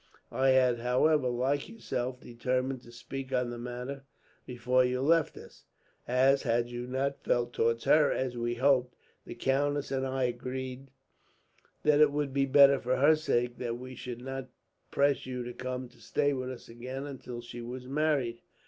I had however, like yourself, determined to speak on the matter before you left us; as, had you not felt towards her as we hoped, the countess and I agreed that it would be better, for her sake, that we should not press you to come to stay with us again until she was married.